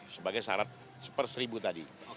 sebagai syarat seper seribu tadi